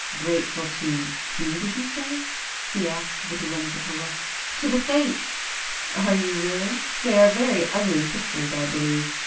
"Grateful to—whom did you say?" he asked with a whimsical look. "To the Fates!" "Are you really? They are very ugly sisters I believe.